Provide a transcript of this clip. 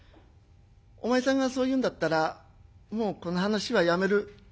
お前さんがそう言うんだったらもうこの話はやめる。